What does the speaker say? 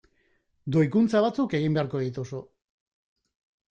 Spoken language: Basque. Doikuntza batzuk egin beharko dituzu.